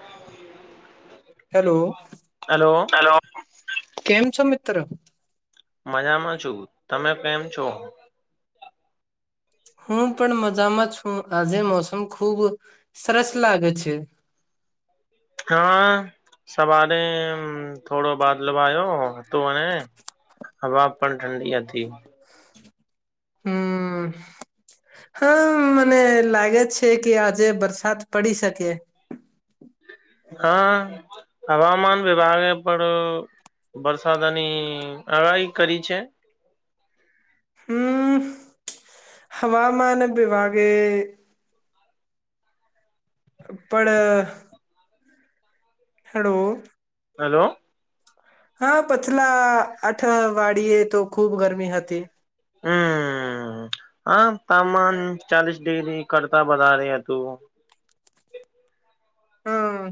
[inaudible] Hello hello કેમ છો મિત્ર મજામાં છું તમે કેમ છો હું પણ મજામાં છું આજે મોસમ ખૂબ સરસ લાગે છે હા સવારે થોડો બાદલવાયો હતો અનેને હવા પણ ઠંડી હતી હમ હા મને લાગે છે કે આજે વરસાદ પડી શકે હા હવામાન વિભાગે પણ વરસાદની આગાહી કરી છે હમ હવામાન વિભાગે. પણ. હલો. હેલો. હા પછલા આઠ વાડી તો ખૂબ ગરમી હતી. હમ આા તાપમાન ચાલીસ ડિગ્રી કરતા વધારે હતું. હમ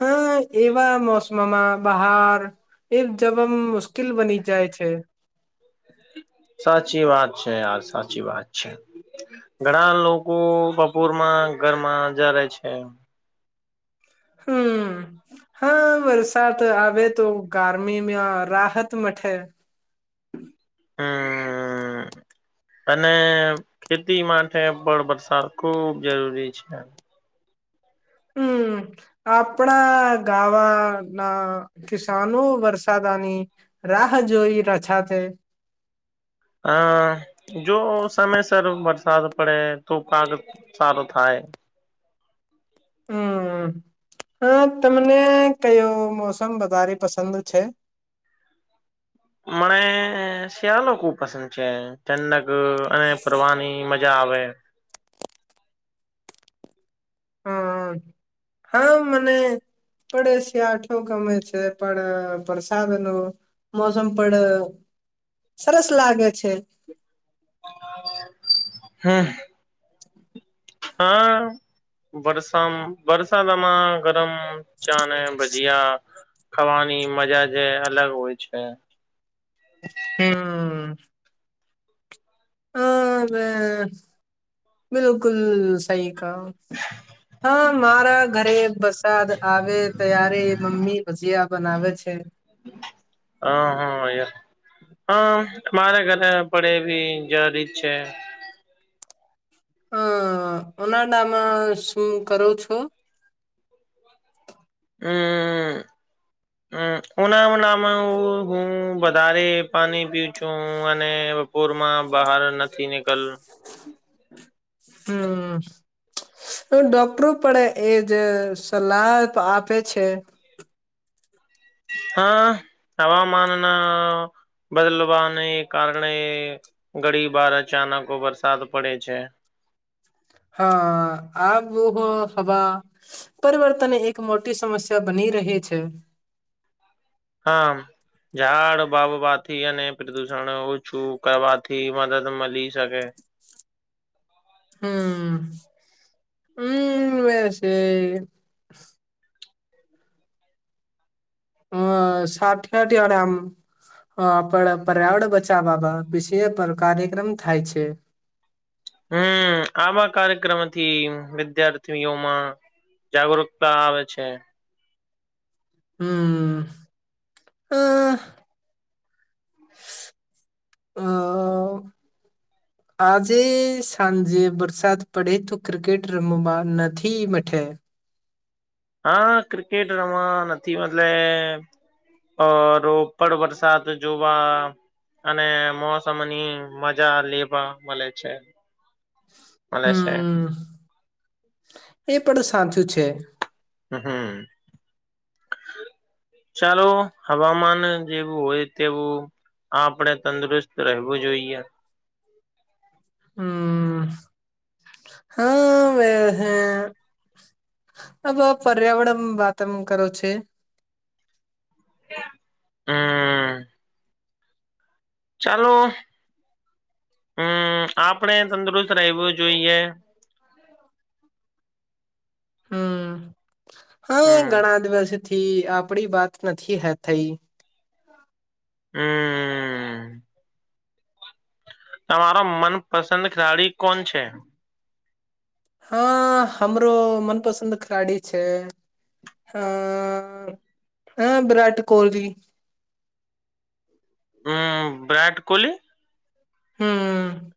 હા એવા મોસમમાં બહાર એ જવા મુશ્કેલ બની જાય છે. સાચી વાત છે યાર સાચી વાત છે ઘણ લોકો બપોરમાં ઘરમાં જ રહે છે. હમ્મ હા વર્ષ આવે તો ગ ી રાહત મઠે હમ અને ખેતી માટે પણ વરસાદ ખુબ જરૂરી છે. હમ આપણા ગાવા ના કિસાનો વરસાદની રાહ જોઈ રછા છે. હમ જો સમયસર વરસાદ પડે તો પાક સારો થાય. હમ હા તમને કયો મોસમ વધારે પસંદ છે. મને શિયાળો ખુબ પસંદ છે જન્નક અને ફરવાની મજા આવે. હમ હા મને પડે શિયાઠો ગમે છે પણ વરસાદ ન મોસમ પણ સરસ લાગે છે. હમ્મ. હા વરષા વરષામાં. ગમ ચાને ભજયા ખાવાની મજા જે અલગ હોય છે. હમ્મ. હા બિલકુલ સહી ગ હા મારા ઘરે વરસાદ આવે ત્યારે મમ્મી મજી બનાવે છે. હ હા હમ મારે ઘરે પડે એવી જ રત છે. હમ ઉનાડાામાં શું કરો છો. હમ હમ ઉના ઉનામાં હું વધારે પાણી પી છું અને બપોરમાં બહાર નથી નીકલ હમ હ ડોક્ટરો પણે એજ સલાહ આપે છે. હા હવામાનના બદલવાને કારણે ઘડી બાર અચાનકો વરસાદ પડે છે. હા આોહો હવા પરિવર્તન એક મોટી સમસ્યા બની રહી છે. હા ઝાડ વાવવાથી અને પ્રદુષણ ઓછું કરવાથી મદદ મળી શકે. હમ્મ હમ્મ વ છે. હ સાઠઠડ આમ પર્યાવરણ બચાવવામાં વિશે કાર્યક્રમ થાય છે. હમ આમાં કાર્યક્રમથી વિદ્યાર્થીઓમાં જાગૃકતા આવે છે. હમ્મ હા. અ આજે સાંજે વરસાદ પડે તો ક્રિકેટ રમવા નથી મઠે. હા ક્રિકેટ રમા નથી એટલે અ રોપડ વરસાદ જોવા અને મોસમની મજા લેવા મળે છે. મલેશિયા. હમ એ પણ સાચું છે. હમ હમ ચાલો હવામાન જેવું હોય તેવું આપણે તંદુરસ્ત રહેવું જોઈએ. હમ હ હ હ પર્યાવરણ વાત એમ કરો છે હમ ચાલો હમ આપણે તંદુરસ્ત રહેવું જોઈએ હમ હા હમ ઘણા દિવસે થી આપડી વાત નથી હે થઈ હમ તમારો મનપસંદ ખેલાડી કોણ છે હા હમરો મનપસંદ ખેલાડી છે હ હ વિરાટ કોહલી હમ વિરાટ કોહલી હમ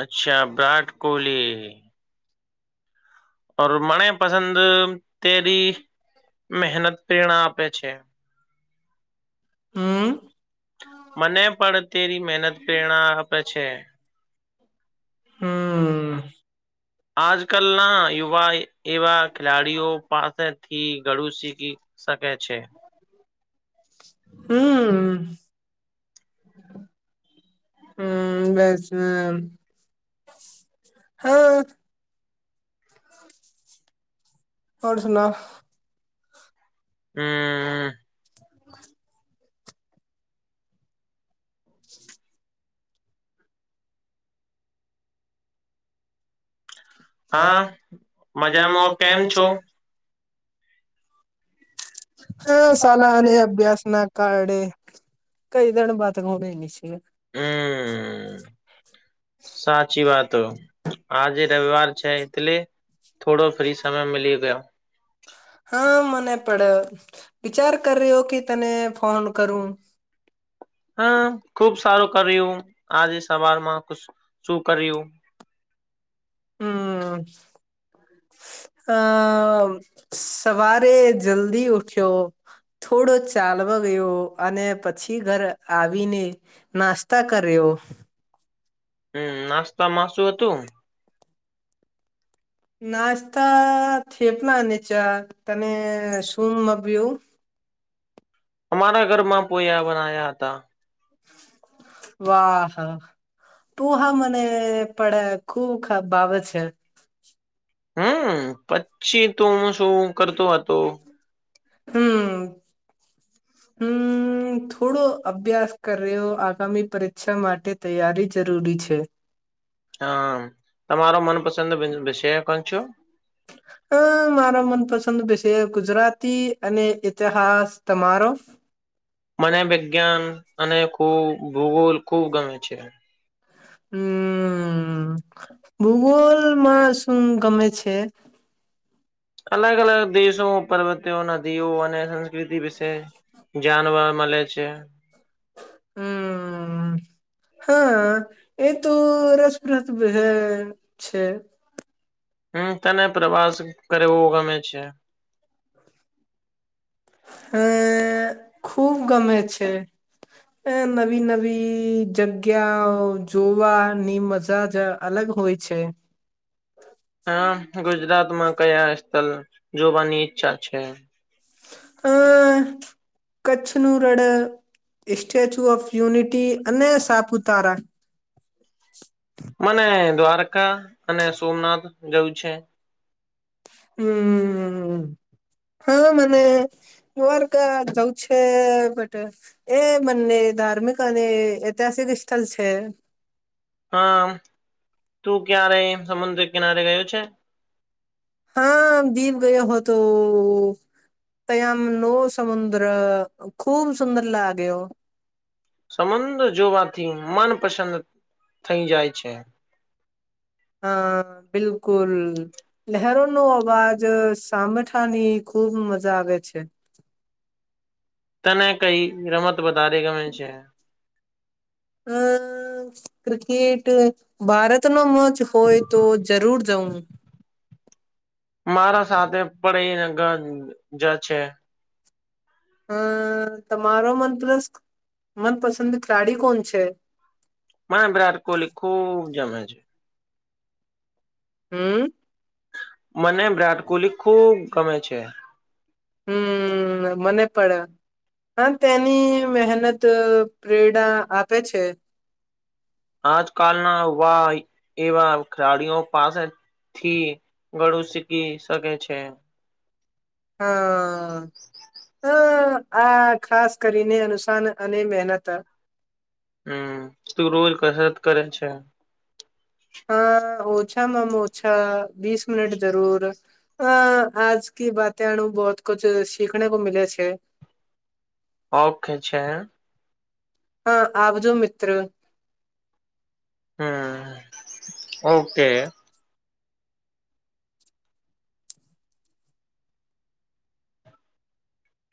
અચ્છા વિરાટ કોહલી ઓ મણે પસંદ તેરી મહેનત પ્રેરણા આપે છે હમ મને પણ અત્યારે મહેનત પ્રેરણા આપે છે હમ આજ ક કલ ના યુવા એવા ખેલાડીઓ પાસેથી ગળું સીખી શકે છે હમ હમ બસ હા હોર સુના [inaudible] [inaudible] હા મજામાં કેમ છું હા શાલા અને અભ્યાસ ના કારડે કઈ તનું બાત ગણ નની છે હમ વહાર છે એટલે થોડો ફ્રી સમય મળી ગયો હા મને પ વિચાર કરી રહ્યો કે તને ફોન કરું હમ ખુબ સારું કર્યું આજે સવારમાં શું કર્યું હમ આમ સવારે જલ્દી ઉઠ્યો થોડો ચાલવા ગયો અને પછી ઘર આવીને નાસ્તા કર્યો હમ નાસ્તા માસું હતું નાસ્તા થેપ ના નીચા તને સૂમ મપ્યું અમારા ઘરમાં પોયા બનાયા હતા વાહા પુહા મને પડે ખુબ ખરાબ બાબત છે હમ પછી તોું હું શું કરતો હતો હમ હમ થોડો અભ્યાસ કર્યો આગામી પરીક્ષા માટે તૈયારી જરૂરી છે હા તમારો મનપસંદ પશે કો છો હ મારો મનપસંદ વિષય ગુજરાતી અને ઈતિહાસ તમારો મને વિજ્ઞાન અને ખૂબ ભૂગોલ ખૂબ ગમે છે હમ ભૂગોલમાં શું ગમે છે અલગ અલગ દેશો પર્વતીયો નદીઓ અને સંસ્કૃતિ વિશે જાણવા મળે છે હમ હા એ તો રસપ્રદ છે હમ તને પ્રવાસ કરવો ગમે છે હ ખૂબ ગમે છે અ નવી નવી જગ્યા જોવાની મજા જ અલગ હોય છે હા ગુજરાત માં કયા સ્થળ જોવાની ઈચ્છા છે હ કચ્છનું રડ સ્ટેચ્યુ ઓફ યુનિટી અને સાપુતારા મને દ્વારકા અને સોમનાથ ગયું છે [unintelligible] હા મને ર્ગ જવું છે બટ એ બંને ધાર્મિક અને ઐતિહાસિક સ્થળ છે હા તું ક્યારે સમુદ્ર કિનારે ગયું છે હા દીવ ગયો હતો ત્યાંમ નો સમુદ્ર ખુબ સુંદર લાગ્યો સંબંધ જોવાથી મનપસંદ થઈ જાય છે હા બિલકુલ લહેરોનોો અવાજ સામઠાની ખુબ મજા આવે છે તને કઈ રમત તો બતા દગ મેં છે હ ક્રિકેટ ભારત નો મત્ હોય તો જરૂર [inaudible] મારા સાથે પણ એ નગર જ છે હમ તમારો મનપ મનપસંદ ખેલાડી કોણ છે મા વિરાટ કોહલી ખૂબ જમે છે હમ મને વિરાટ કોહલી ખૂબ ગમે છે હમ મને પણ હ તેની મહેનત પ્રેરણા આપે છે આજકાલના વા એવા ખેલાડીઓ પાસેથી ગળું શીખી શકે છે હા હ આ ખાસ કરીને અનુસાન અને મહેનત હમ તું રોજ કસરત કરે છે હા ઓછા મામ ઓછા બીસ મિનટ જરૂર હા આજ ક વાતણુ બહત કુછ સીખને કો મલે્યા છે ઓ ખેંચે હ હા આવજો મિત્ર હમ હ [unintelligible]